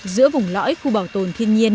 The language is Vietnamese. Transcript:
giữa vùng lõi khu bảo tồn thiên nhiên